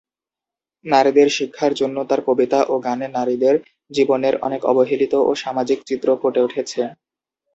নারীদের শিক্ষার জন্য তার কবিতা ও গানে নারীদের জীবনের অনেক অবহেলিত ও সামাজিক চিত্র ফুটে উঠেছে।